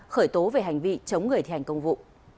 khởi tố về hành vi chống người thi hành công vụ